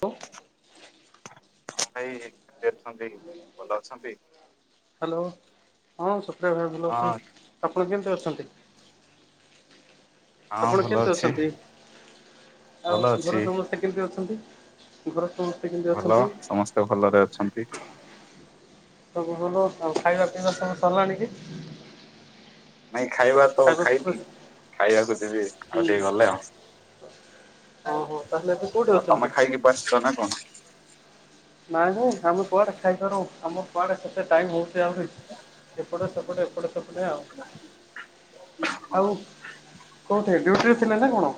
ହ [unintelligible] ଭାଇ ବିଜି ଅଛନ୍ତି ଭଲ ଅଛନ୍ତି। ହ୍ୟାଲୋ ହଁ ସୁତ୍ରୟ ଭାଇ ଭଲ ଅଛି ହଁ ଆପଣ କେମିତି ଅଛନ୍ତି। ହଁ ଆପଣ ଭଲ କେମିତି ଅଛି। ଅଛନ୍ତି ଭଲ ଆଉ ଅଛି ଘରେ ସମସ୍ତେ କେମିତି ଅଛନ୍ତି। ଘରେ ସମସ୍ତେ କେମିତି ଭଲ ଅଛନ୍ତି? ସମସ୍ତେ ଭଲରେ ଅଛନ୍ତି। ସବୁ ଭଲ ଆଉ ଖାଇବା ପିଇବା ସବୁ ସଲିଲାଣି କି ନାଇଁ ଖାଇବା ତ ଖାଇନି ଖାଇବାକୁ ଯିବି ହୁଁ ଆଉ ଟିକେ ଗଲେ ଆଉ। ଆଉ ଓହୋ ତାହେଲେ ଏବେ କୋଉଠି ଅଛନ୍ତି? ତମେ ଖାଇକି ବସିଛ ନା କଣ। ନାଇଁ ନାଇଁ ଆମେ କୁଆଡେ ଖାଇପାରୁ ଆମ କୁଆଡେ କେତେ ଟାଇମ ହଉ ହେବି ଆଉରି ଏପଟ ସେପଟେ ଏପଟ ସପଟେ ଆଉ ଆଉ କୋଉଠି ଡ୍ୟୁଟି ରେ ଥିଲେ ନା କଣ।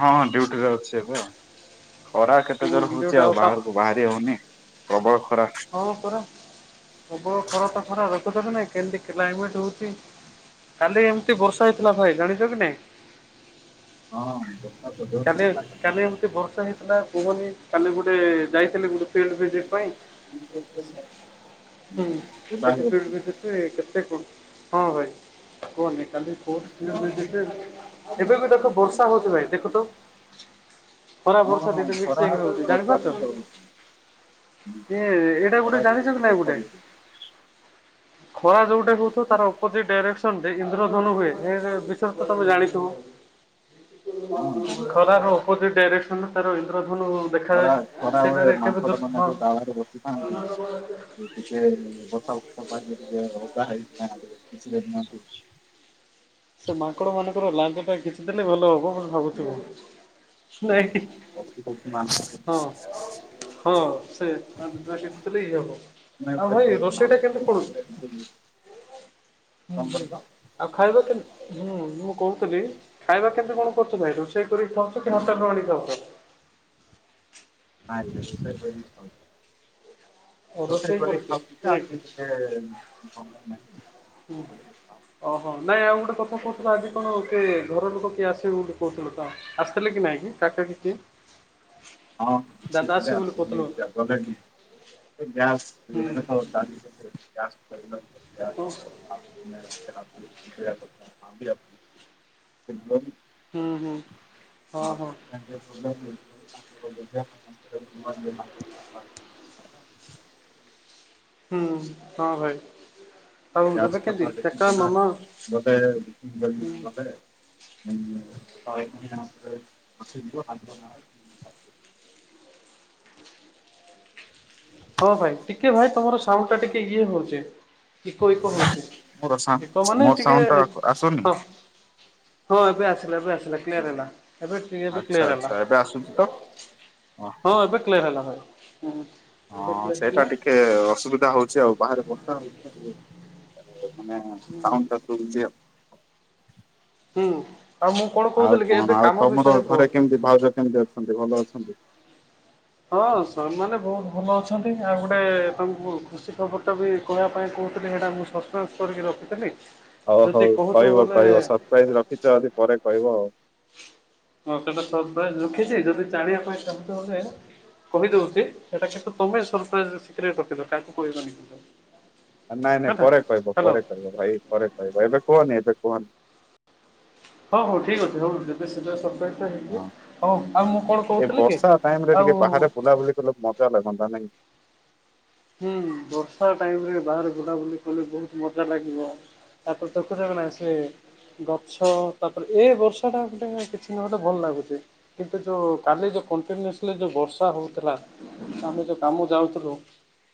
ହଁ ହଁ ଡୁଟି ରେ ଅଛି ଏବେ ଆଉ ଖରା କେତେ ହୁଁ ଜୋର ହଉଛି ଡ୍ୟୁଟି ଆଉ କା ବାହାରକୁ ବାହାରି ହଉନି ପ୍ରବଳ ଖରାପ। ହଁ ପରା ହବ ଖରା ତ ଖରା ଦେଖିର୍ଛ୍ତି ନାାଇ କେମତି କ୍ଲାଇମେଟ ହଉଚି। କାଲି ଏମିତି ବର୍ଷା ହେଇଥିଲା ଭାଇ ଜାଣିଛ କି ନାଇଁ। ହଁ। ତ ଜୋରେ କାଲି ହେଇଥିଲା କାଲି ଏମିତି ବର୍ଷା ହେଇଥିଲା କୁହନି କାଲି ଗୋଟେ ଯାଇଥିଲେ ଗୋଟେ ଫିଲ୍ ଫ ଯେ ପାଇଁ। ହୁଁ ଓଦା କେତେଠାରୁ ହେଇଗଲିଣି। କେତେ ଟେ କେତେ କଣ। ହଁ ଭାଇ କୁହ ନି କାଲି। ଏବେ ବି ଦେଖ ବର୍ଷା ହଉଛି ଭାଇ ଦେଖ ତ। ଖରା ହଁ ବର୍ଷା ହଁ ଦିଟା ଯାକ ଖରା ସେ ହଉଛି ହଉଚି ବର୍ଷା ମଧ୍ୟ ଜାଣିପାରୁଛ। ହଉଛି କିଏ ଏଇଟା ଗୋଟେ ଖରା ବି ଜାଣିଛ ହଉଛି କି ନାଇଁ ବର୍ଷା ଗୋଟେ। ବି ହଉଛି। ଖରା ଯୋଉ ପଟେ ହଉଥିବ ତାର ଅପୋଜିଟ ଡାଇରେକ୍ସନ ରେ ଇନ୍ଦ୍ରଧନୁ ହୁଏ ଏ ବିଷୟରେ ତମେ ଜାଣିଥିବ। ହଁ ଜା ଖରାର ଅପୋଜିଟ୍ ଡାଇରେକ୍ସନରେ ତାର ଇନ୍ଦ୍ରଧନୁ। ଦେଖାଯାଏ ଖରା ଖରା ବେଳେ ସେଠାରେ କେବେ ମାଙ୍କଡ ଦୃଶ ମାନେ ହଁ ଯଉ ଡାଳରେ ବସିଥାନ୍ତି। ଟିକେ ଉଁ ବର୍ଷା [unintelligible] ଟିକେ ଓଦା ହେଇକି ନା ଯାଆନ୍ତି ଖୁସି ରେ ଡିଅନ୍ତି। ସେ ମାଙ୍କଡ଼ ମାନଙ୍କର ଲାଞ୍ଜଟା ଖିଚି ଦେଲେ ଭଲ ହବ ବୋଲି ଭାବୁଥିବୁ। ନାଇ। ତୁ କହିବୁ ମା [unintelligible] ହଁ ସେ [unintelligible] ଏଠି ଥିଲେ ଇଏ ହବ। ଆଉ ଭାଇ ରୋଷେଇ ଟା କେମିତି ପଡୁଛି? ହୁଁ ହୁଁ ଆଉ ଖାଇବା କେମ ମୁଁ ମୁଁ କହୁଥିଲି ଖାଇବା କେମିତି କଣ କରୁଛ ଭାଇ ରୋ ରୋଷେଇ କରିକି ଖାଉଛ କି ହୋଟେଲ ରୁ ଆଣିକି ଖାଉଛ? ମୁଁ ଆରୀ ଆରି ବିଷୟରେ ତୋ ଶହ କଥା ହଉ ଓ ରୋସେଇ ରୋଷେଇ କରିକି କରୁଛୁ ଖାଉଚି ଯେ ନାଇଁ କି ଆକଚୁଲି ଟିକେ ଉଁ ସମୟ ନାହିଁ ହୁଁ। [inaudible] ଓହୋ ନାଇଁ ଆଉ ଗୋଟେ କଥା କହୁଥିଲ ଆଜି କଣ କିଏ ଘର ଲୋକ କିଏ ଆସିବେ ବୋଲି କହୁଥିଲ ତ? ଆସିଥିଲେ କି ନାଇଁ କି କାକା କି କିଏ? ହଁ ଦାଦା ଆସିଥିଲେ ଆସିବେ ଆଉ ବୋଲି ସିଏ କହୁଥିଲ। ଏମିତି ଆଉ। ହୁଁ [unintelligible] ନମସ୍ [unintelligible] ହୁଁ ହଁ ସେଥିପାଇଁ ଟିକେ ପ୍ରୋବ୍ଲେମ ହେଉଛି ବୋଧେ ତାଙ୍କର ଜେଜେ ବାବା ନା [unintelligible] ମରିଗଲା ହୁଁ ହଁ ଭାଇ। ଆଉ ଏବେ ଗ୍ୟାସ କେମିତି ଖାତା କାକା ଦେଖିଛୁ ନା ମାମା ହୁଁ ଗୋଟେ [unintelligible] [unintelligible] ହଁ ଭାଇ ଟିକେ ଭାଇ ତମର ସାଉଣ୍ଡ ଟା ଟିକେ ଇଏ ହଉଛି ଇକୋ ଇକୋ ହଉଛି। ମୋର ସାଉଣ୍ଡ ଇକୋ ମାନେ ମୋର ଟିକେ ସାଉଣ୍ଡଟା ଆସୁନି? ହଁ। ହଁ ଏବେ ଆସିଲା ଏବେ ଆସିଲା କ୍ଲିୟର ହେଲା। ଏବେ କ୍ଲିୟର ଏବେ ଆଚ୍ଛା କ୍ଲିୟର ଆଚ୍ଛା ଏବେ ଆସୁଛି ତ? ହେଲା ହଁ ଏବେ କ୍ଲିୟର ହେଲା ଭାଇ ହୁଁ। ଏବେ ହଁ କ୍ଲିୟର ସେଇଟା ହେଲା ଟିକେ ଅସୁବିଧା ହଉଛି ଆଉ ବାହାରେ ବର୍ଷା ହଉଛି ତ ଟିକେ। ମାନେ ମାନେ ସାଉଣ୍ଡ ଟା ଶୁଭୁନି ଆଉ। ହୁଁ ଆଉ ମୁଁ କଣ ଆଉ କହୁଥିଲି କି ଏବେ କଣ ଆଉ କାମ ତମର ବିଷୟରେ କୁହ ଘରେ କେମିତି ଭାଉଜ କେମିତି ଅଛନ୍ତି ଭଲ ଅଛନ୍ତି? ହଁ ସେମାନେ ବହୁତ ଭଲ ଅଛନ୍ତି ଆଉ ଗୋଟେ ତମକୁ ଖୁସି ଖବରଟା ବି କହିବା ପାଇଁ କହୁଥିଲି ସେଇଟା ମୁଁ ସସ୍ପେନ୍ସ କରିକି ରଖୀଥିଲି। ହଉ ହଉ କହିବ କହିବ ସରପ୍ରାଇଜ ରଖିଛ ଯଦି ପରେ କହିବ ଆଉ। ହଁ ସେଟା ସରପ୍ରାଇଜ ରଖିଛି ଯଦି ଜାଣିବା ପାଇଁ ଚାହୁଁଚ ବୋଲେ। କହିଦଉଛି ସେଟା କିନ୍ତୁ ତମେ ସରପ୍ରାଇସ ସିକ୍ରେଟ ରଖୁବ କାହାକୁ କହିବନି କିନ୍ତୁ। ନାଇଁ ନାଇଁ ହେଲା ପରେ କହିବ ହ୍ୟାଲୋ ପରେ କହିବ ଭାଇ ପରେ କହିବ ଏବେ କୁହନି ଏବେ କୁହନି। ହଉ ହଉ ଠିକ ଅଛି ହଉ ଯେବେ ସେବେ ସରପ୍ରାଇ ହେଲି ହଁ। ହଁ ଆଉ ମୁଁ କଣ ଏ କହୁଥିଲି କି ବର୍ଷା ଟାଇମ ରେ ଟିକେ ଆଉ। ବାହାରେ [unintelligible] ମଜା ଲାଗନ୍ତା ନାଇଁ। ହୁଁ ବର୍ଷା ଟାଇମ ରେ ବାହାରେ ବୁଲାବୁଲି କଲେ ବହୁତ ମଜା ଲାଗିବ। ତାପରେ [unintelligible] ନାଇଁ ସେ। ଗଛ ତାପରେ ଏ ବର୍ଷା ଟା ଗୋଟେ କିଛି ନହେଲେ ଭଲ ଲାଗୁଛି। କିନ୍ତୁ ଯୋଉ କାଲି ଯୋଉ କଣ୍ଟିନିଓସଲି ଯୋଉ ବର୍ଷା ହଉଥିଲା ଆମେ ଯୋଉ କାମ ଯାଉଥିଲୁ।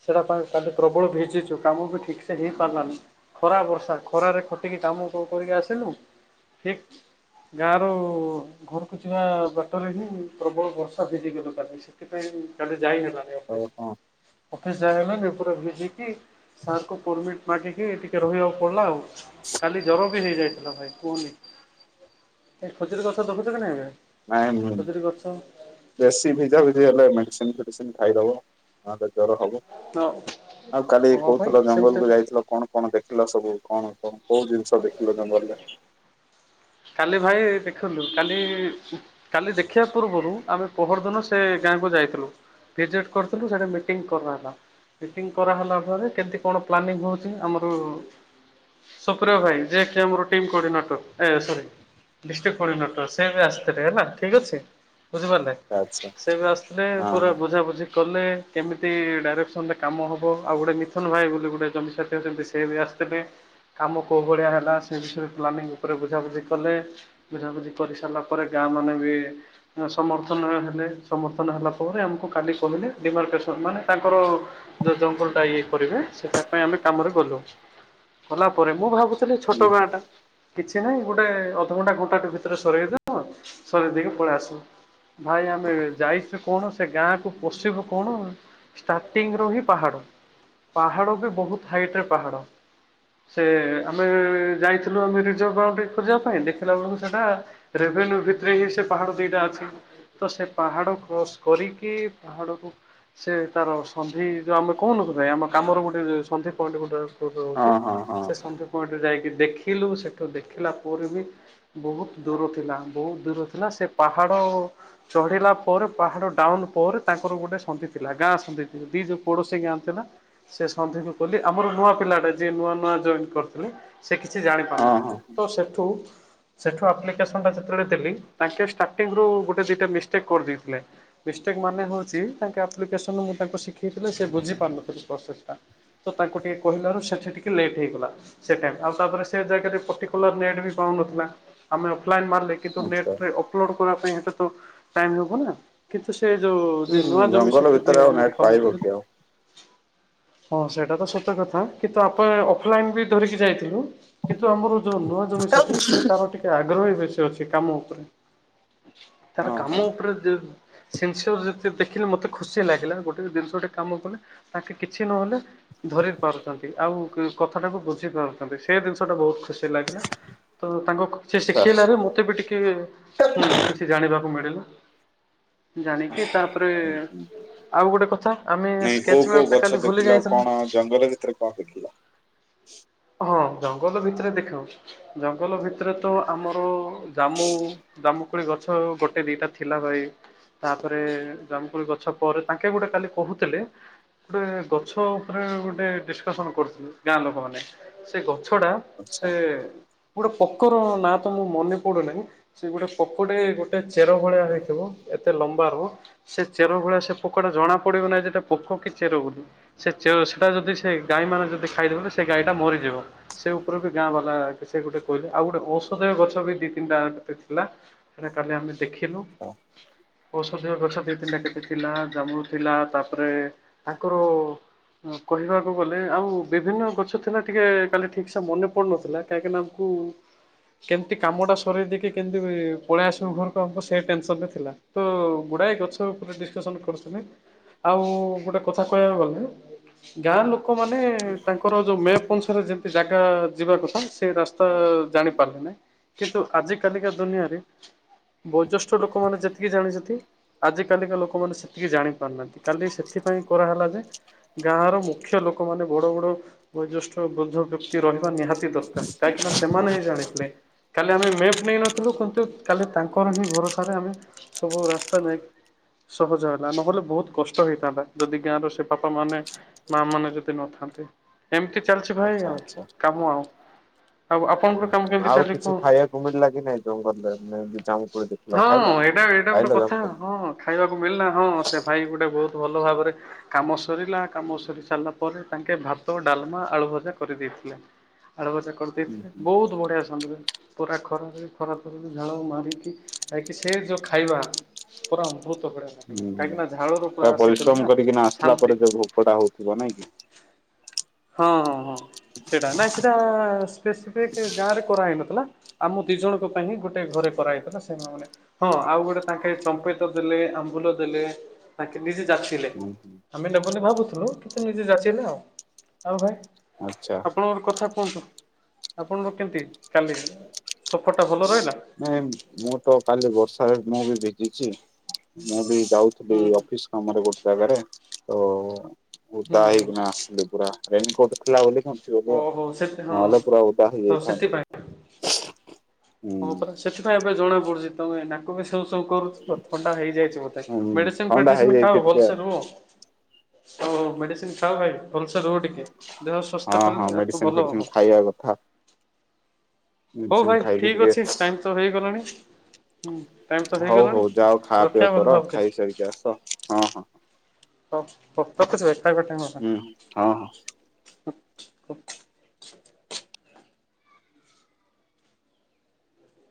ସେଇଟା ପାଇଁ କାଲି ପ୍ରବଳ ଭିଜିଛୁ କାମ ବି ଠିକ୍ ସେ ହେଇପାରିଲାନି। ଖରା ବର୍ଷା ଖରାରେ ଖଟିକି କାମ କ-କରିକି ଆସିଲୁ ଠିକ। ଗାଁ ରୁ ଘରକୁ ଯିବା ବାଟରେ ହିଁ ପ୍ରବଳ ବର୍ଷା ଭିଜି ଗଲୁ କାଲି ସେଥିପାଇଁ କାଲି ଯାଇ ହେଲା ହଁ ହଁ। ଅଫିସ ଯାଇହେଲାନି ପୁରା ଭିଜିକି ସାରଙ୍କ ପରମିଟ୍ ମାଗିକି ଟିକେ ରହିବାକୁ ପଡ଼ିଲା ଆଉ। କାଲି ଜର ବି ହେଇଯାଇଥିଲା ଭାଇ କୁହନି ଏୟୀ ଖଜୁରୀ ଗଛ ଜଗୁଛ ନାଇଁ ବେ? ନାଇଁ ବେଶୀ ଭିଜାଭିଜି ହେଲେ ମେଡିସିନ ଫେଡିସିନ ଖାଇଦବ। ହଁ ତ ଜର ହବ ହଁ ଆଉ କାଲି ହଁ ଭାଇ କହୁଥିଲ ସେମିତି ଜଙ୍ଗଲକୁ ଯାଇଥିଲ କଣ କଣ ଦେଖିଲ ସବୁ କଣ କଣ କୋଉ ଜିନିଷ ଦେଖିଲ ଜଙ୍ଗଲରେ? କାଲି ଭାଇ ଦେଖିଲୁ କାଲି କାଲି ଦେଖିବା ପୂର୍ବରୁ ଆମେ ପହର ଦିନ ସେ ଗାଁକୁ ଯାଇଥିଲୁ। ଭିଜିଟ କରିଥିଲୁ ସେଟା ମିଟିଂ କରନା ହେଲା। ମିଟିଂ କରାହେଲା ପରେ କେତେ କଣ ପ୍ଲାନିଂ ହେଉଛି ଆମର ସୁପ୍ରିୟ ଭାଇ ଯିଏକି ଆମର ଟିମ୍ କୋଡିନଟର ଏ ସରି ଡିଷ୍ଟ୍ରିକ୍ଟ କୋଡ଼ିନେଟର ସେ ବି ଆସିଥିଲେ ହେଲା ଠିକ୍ ଅଛି ବୁଝିପାରିଲେ? ଆଚ୍ଛା ସେ ବି ଆସିଥିଲେ ପୁରା ହଁ ବୁଝାବୁଝି କଲେ କେମିତି ଡାଇରେକ୍ସନରେ କାମ ହେବ ଆଉ ଗୋଟେ ମିଥୁନ ଭାଇ ବୋଲି ଗୋଟେ ଜମିସାର ଟେ ସେମିତି ସେ ବି ଆସ ତେବେ କାମ କୋଉ ଭଳିଆ ହେଲା ସେ ବିଷୟରେ ପ୍ଲାନିଂ ଉପରେ ବୁଝା ବୁଝି କଲେ ବୁଝାବୁଝି କରିସାରିଲା ପରେ ଗାଁ ମାନେ ବି ସମର୍ଥନ ହେଲେ ସମର୍ଥନ ହେଲା ପରେ ଆମକୁ କାଲି କହିଲେ ଡିମାର୍କସନ ମାନେ ତାଙ୍କର ଯୋଉ ଜଙ୍ଗଲଟା ଇଏ କରିବେ ସେଟା ପାଇଁ ଆମେ କାମରେ ଗଲୁ ଗଲା ପରେ ମୁଁ ଭାବୁ ଛୋଟ ଗାଁଟା କିଛି ନାହିଁ ଗୋଟେ ଅଧଘଣ୍ଟା ଘଣ୍ଟାଟେ ଭିତରେ ସରେଇଦେବ ସରେଇ ଦେଇକି ପଳେଇ ଆସିବୁ। ଭାଇ ଆମେ ଯାଇଛୁ କଣ ସେ ଗାଁକୁ ପଷିବୁ କଣ ଷ୍ଟାର୍ଟିଂ ରୁ ହିଁ ପାହାଡ ପାହାଡ ବି ବହୁତ ହାଇଟରେ ପାହାଡ ସେ ଆମେ ଯାଇଥିଲୁ ଆମେ ରିଜର୍ଭ ପାଉଟିରେ ଖୋଯିବା ପାଇଁ ଦେଖିଲା ବେଳକୁ ସେଟା ରେଭେନ୍ୟୁ ଭିତରେ ହିଁ ସେ ପାହାଡ ଦିଟା ଅଛି। ତ ସେ ପାହାଡ କ୍ରସ କରିକି ପାହାଡକୁ ସେ ତାର ସନ୍ଧି ଯେଉଁ ଆମ କହୁନଥାଏ ଆମ କାମର ଗୋଟେ ସନ୍ଧି ପଏଣ୍ଟ ଗୋଟେ ହଁ ରହୁଛି ହଁ ହଁ। ସେ ସନ୍ଧି ପଏଣ୍ଟରେ ଯାଇକି ଦେଖିଲୁ ସେଠୁ ଦେଖିଲା ପରେ ବି ବହୁତ ଦୂର ଥିଲା ବହୁତ ଦୂର ଥିଲା ସେ ପାହାଡ ଚଢିଲା ପରେ ପାହାଡ ଡାଉନ ପରେ ତାଙ୍କର ଗୋଟେ ସନ୍ଧି ଥିଲା ଗାଁ ସନ୍ଧି ଥି ଦି ଯୋଉ ପଡୋଶୀ ଗାଁ ଥିଲା। ସେ ସନ୍ଧିକୁ ଖୋଲି ଆମର ନୂଆ ପିଲାଟା ଯିଏ ନୂଆ ନୂଆ ଜଏନ୍ କରିଥିଲେ ସେ କିଛି ଜାଣି ହଁ ହଁ ପାରୁନଥିଲେ ତ ସେଠୁ ସେଠୁ ଆପ୍ଲିକେସନ ଯେତେବେଳେ ଦେଲି ତାଙ୍କେ ଷ୍ଟାର୍ଟିଂ ରୁ ଗୋଟେ ଦିଟା ମିଷ୍ଟେକ୍ କରି ଦେଇଥିଲେ। ମିଷ୍ଟେକ୍ ମାନେ ହଉଛି ତାଙ୍କ ଆପ୍ଲିକେସନ ମୁଁ ତାଙ୍କୁ ଶିଖେଇଥିଲେ ସେ ବୁଝି ପାରୁନଥିଲେ ପ୍ରୋସେସଟା। ତ ତାଙ୍କୁ ଟିକେ କହିଲାରୁ ସେଠି ଟିକେ ଲେଟ୍ ହେଇଗଲା ସେ ଟାଇମ ଆଉ ତାପରେ ସେ ଜାଗାରେ ପର୍ଟିକୁଲାର ନେଟ ପାଉନଥିଲା ଆମେ ଅଫଲାଇ ମାରିଲେ କିନ୍ତୁ ଆଚ୍ଛା ନେଟରେ ଅପଲୋଡ଼ କରିବା ପାଇଁ ହେଟା ତ ଟାଇମ ହବନା। କିନ୍ତୁ ସେ ଯୋଉ ହୁଁ ଯିଏ ନୂଆ ଜମି ଜଙ୍ଗଲ ସତେ ଯିଏ ଭିତରେ ଆଉ ନେଟ୍ ଆମର କାମ ପାଇବ କରୁଛି କି ଆଉ? ହଁ ସେଇଟା ତ ସତ କଥା କିନ୍ତୁ ଆପଣ ଅଫଲାଇନ ବି ଧରିକି ଯାଇଥିଲୁ। କିନ୍ତୁ ଆମର ଯୋଉ ନୂଆ ଜମି ସେଠି ସେ ତାର ଟିକେ ଆଗ୍ରହୀ ବେଶୀ ଅଛି କାମ ଉପରେ ତାର ହଁ ହଁ। କାମ ଉପରେ ଦେ ସିନସିଓର ଯେତେ ଦେଖିଲି ମତେ ଖୁସି ଲାଗିଲା ଗୋଟେ ଜିନିଷ ଗୋଟେ କାମ କଲେ ତାଙ୍କେ କିଛି ନହେଲେ ଧରି ପାରୁଛନ୍ତି ଆଉ କଥାଟାକୁ ବୁଝି ପାରୁଛନ୍ତି ସେ ଜିନିଷଟା ବହୁତ ଖୁସି ଲାଗିଲା। ତ ତାଙ୍କୁ ସିଏ ଆଚ୍ଛା ଶିଖେଇଲାରେ ମତେ ବି ଟିକେ ହୁଁ କିଛି ଜାଣିବାକୁ ମିଳିଲା ଜାଣିକି ତାପରେ ଆଉ ଗୋଟେ କଥା ଆମେ ନାଇଁ କୋଉ କୋଉ ସ୍କେଚମେପଟା ଗଛ କାଲି ଭୁଲି ଦେଖିଲ ଯାଇଥିଲୁ। କଣ ଜଙ୍ଗଲ ଭିତରେ କଣ ଦେଖିଲ? ହଁ ଜଙ୍ଗଲ ଭିତରେ ଦେଖେଇବ। ଜଙ୍ଗଲ ଭିତରେ ତ ଆମର ଜାମୁ ଦାମୁକୋଳି ଗଛ ଗୋଟେ ଦିଟା ଥିଲା ଭାଇ। ତାପରେ ଜାମୁକୋଳି ଗଛ ପରେ ତାଙ୍କେ ଗୋଟେ କାଲି କହୁଥିଲେ ଗୋଟେ ଗଛ ଉପରେ ଗୋଟେ ଡିସକସନ୍ କରୁଥିଲ ଗାଁ ଲୋକମାନେ ସେ ଗଛଟା ଆଚ୍ଛା ସେ ଗୋଟେ ପୋକର ନାଁ ତ ମୁଁ ମନେ ପଡୁନାହିଁ ସେ ଗୋଟେ ପୋକଟେ ଗୋ ଟେ ଚେର ଭଳିଆ ହେଇଥିବ। ଏତେ ଲମ୍ବା ହୁଅ ସେ ଚେର ଭଳିଆ ସେ ପୋକ ଟା ଜଣା ପଡିବ ନାହିଁ ଯେଟେ ପୋକ କି ଚେର ବୋଲି। ସେ ଚେର ସେଟା ଯଦି ସେ ଗାଈ ମାନେ ଯଦି ଖାଇଦେବେ ସେ ଗାଈ ଟା ମରିଯିବ ସେ ଉପରକୁ ଗାଁ ବାଲା କିଛି ସେ ଗୋଟେ କୋଇଲ ଆଉ ଗୋଟେ ଔଷଧ ଗଛ ବି ଦି ତିନିଟା ଥିଲା। ସେଟା କାଲି ଆମେ ଦେଖିଲୁ ହଁ। ଔଷଧିୟ ଗଛ ଦି ତିନି ଟା ଥିଲା ଜାମୁ ଥିଲା ତାପରେ ତାଙ୍କର କହିବାକୁ ଗଲେ ଆଉ ବିଭିନ୍ନ ଗଛ ଥିଲା ଟିକେ କାଲି ଠିକ୍ ସେ ମନେ ପଡ଼ୁନଥିଲା କାହିଁକି ନା ହୁଁ। କେମିତି କାମଟା ସରେଇ ଦେଇକି କେମିତି ପଳେଇ ଆସିବୁ ଘରକୁ ଆମକୁ ସେଇ ଟେନ୍‌ସନ୍‌ ରେ ଥିଲା। ତ ଗୁଡ଼ାଏ ଗଛ ଉପରେ ଡିସ୍କସନ୍ କରୁଛନ୍ତି ଆଉ ଗୋଟେ କଥା କହିବାକୁ ଗଲେ ଗାଁ ଲୋକ ମାନେ ତାଙ୍କର ଯୋଉ ମେପସରେ ଯେତେ ଜାଗା ଯିବା କଥା ସେ ରାସ୍ ତା ଜାଣି ପାରିଲେ ନା କିନ୍ତୁ ଆଜି କାଲିକା ଦୁନିଆରେ ବୟୋଜ୍ୟେଷ୍ଠ ଲୋକମାନେ ଯେତିକି ଜାଣିଚନ୍ତି ଆଜି କାଲିକା ଲୋକମାନେ ସେତିକି ଜାଣିପାରୁନାହାନ୍ତି। କାଲି ସେଥିପାଇଁ କରାହେଲା ଯେ ଗାଁର ମୁଖ୍ୟ ଲୋକମାନେ ବଡ଼ ବଡ଼ ବୟୋଜ୍ୟେଷ୍ଠ ବୃଦ୍ଧ ବ୍ୟକ୍ତି ରହିବା ନିହାତି ଦରକାର। କାହିଁକି ନା ସେମାନେ ହିଁ ଜାଣିଥିଲେ। କାଲି ଆମେ ମେପ୍ ନେଇନଥିଲୁ କିନ୍ତୁ କାଲି ତାଙ୍କର ହିଁ ଭରସାରେ ଆମେ ସବୁ ରାସ୍ତା ନାଇଁ। ସହଜ ହେଲା ନହେଲେ ବହୁତ କଷ୍ଟ ହେଇଥାନ୍ତା ଯଦି ଗାଁର ସେ ବାପା ମାନେ ମା ମାନେ ଯଦି ନଥାନ୍ତେ ଏମିତି ଚାଲିଛି ଭାଇ ଆଚ୍ଛା ଆଉ କାମ ଆଉ। ଆଉ ଆପଣଙ୍କର କାମ ହୁଁ କେମିତି ଆଉ ଚାଲିଛି କିଛି କୁହ ଖାଇବାକୁ ମିଳିଲା କି ନାଇଁ ଜଙ୍ଗଲରେ ଯେମିତି ଜାମୁ ଦି ହଁ ଏଇଟା ଏଇଟା ଗୋଟେ କଥା ହଁ ଖାଇବାକୁ ମିଳିଲା ହଁ ସେ ଭାଇ ଗୋଟେ ବହୁତ ଭଲ ଭାବରେ କାମ ସରିଲା କାମ ସରି ସାରିଲା ପରେ ତାଙ୍କେ ଭାତ, ଡାଲମା, ଆଳୁ ଭଜା କରିଦେଇଥିଲେ। ଆଳୁ ଭଜା ହୁଁ କରିଦେଇଥିଲେ ହୁଁ ବହୁତ ବଢିଆ ଫ୍ୟାମିଲି। ପୁରା ଖରାରେ ଖରା ର ଝାଳ ମାରିକି ଆଇକି ସେ ଯୋଉ ଖାଇବା। ପୁରା ଅମୃତ ଭଳିଆ ଲାଗିଲା। କାହିଁକି ନା ଝାଳର ତା ପରିଶ୍ରମ କରିକିନା ଆସିଲା ପରେ ଯୋଉ ଭୋକ ଟା ହୋଉଥିବ ନା କି? ହଁ-ହଁ-ହଁ ସେଇଟା ନାଇଁ ସେଇଟା ସ୍ପେସିଫିକ୍ ଗାଁ ରେ କରାହେଇନଥିଲା। ଆମ ଦି ଜଣଙ୍କ ପାଇଁ ହିଁ ଗୋଟେ ଘରେ କରାହେଇଥିଲା ସେ ମାନେ ହଁ ଆଉ ଗୋଟେ ତାଙ୍କେ ଚମ୍ପେତ ଦେଲେ ଆମ୍ବୁଲ ଦେଲେ ତାଙ୍କେ ନିଜେ ଜାଚିଲେ। ହୁଁ ହୁଁ। ଆମେ ନେବେନି ଭାବୁଥିଲୁ କିନ୍ତୁ ନିଜେ ଯାଚିଲେ ଆଉ। ଆଉ ଭାଇ ଆଚ୍ଛା। ଆପଣଙ୍କର କଥା କୁହନ୍ତୁ। ଆପଣଙ୍କର କେମିତି କାଲି ସଫର୍ଟା ଭଲ ରହିଲା? ନାଇଁ ମୁଁ ତ କାଲି ବର୍ଷାରେ ମୁଁ ବି ଭିଜିଛି ମୁଁ ବି ଯାଉଥିଲି ହୁଁ ଅଫିସ୍ ତମର ଗୋଟେ ଜାଗାରେ ତ ହୁଁ ଉଦା ହୁଁ ହୁଁ ହେଇକିନା ଆସଥିଲି ପୁରା ରେନିକୋଟ୍ ଥିଲା ବୋଲି କିନ୍ତୁ ଓ ଏବେ ହଉ ସେ ହଁ ନହେଲେ ପୁରା ଓଦା ହଉ ହେଇଯାଇଥାନ୍ତି। ସେଥିପାଇଁ ହଁ ପରା ସେଥିପାଇଁ ଏବେ ଜଣା ପଡୁଛି ତମେ ଏଇ ନା ମୁଁ ମିଶିକି ସବୁ ଥଣ୍ଡା ହେଇଯାଇଛି ମତେ ହୁଁ ମେଡିସିନ ଥଣ୍ଡା ଫେଡିସିନ ହେଇଯାଇଛି ଖାାଉ ଟିକେ ଭଲସେ ରୁହ। ହୋଉ ବୋଉ ମେଡିସିନ ଖାଅ ଭାଇ ଭଲସେ ରୁହ ଟିକେ। ଦେହ ସୁାସ୍ଥ କଲେ ଆକୁ ଭଲ ହବ। ତ କଥା ହୋଉ ମେଡିସିନ ଭାଇ ଖାଇକି ଠିକ୍ ଟିକେ ଅଛି ଟାଇମ୍ ତ ହେଇଗଲାଣି। ହୁଁ ଟାଇମ୍ ତ ହଉ ହେଇଗଲାଣି ହଉ ଯାଅ ଖା ପିଆ ରଖିବା ବୋଲି କର ଭାବୁଚେ। ଖାଇସାରିକି ଆସ ହଁ ହଁ ହୋଉ ରଖୁଚି ଭାଇ ଖାଇବା ଟାଇମ୍ ହେଇଗଲାଣି। ହଁ-ହଁ।